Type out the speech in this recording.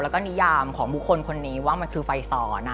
แล้วก็นิยามของบุคคลคนนี้ว่ามันคือไฟสอน